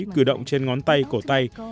cử động trên ngón tay cổ tay